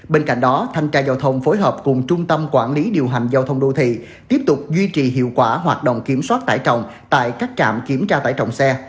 bên cạnh đó thanh tra giao thông phối hợp cùng trung tâm quản lý điều hành giao thông đô thị tiếp tục duy trì hiệu quả hoạt động kiểm soát tải trọng tại các trạm kiểm tra tải trọng xe